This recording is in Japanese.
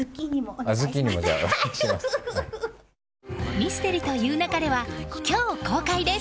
「ミステリと言う勿れ」は今日公開です。